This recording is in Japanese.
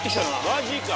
マジか！